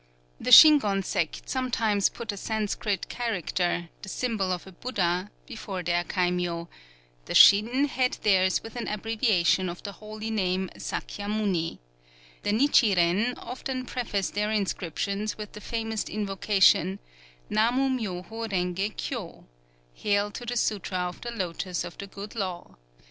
The Shingon sect sometimes put a Sanscrit character the symbol of a Buddha before their kaimyō; the Shin head theirs with an abbreviation of the holy name Sakyamuni; the Nichiren often preface their inscriptions with the famous invocation, Namu myō hō rengé kyō ("Hail to the Sutra of the Lotos of the Good Law!")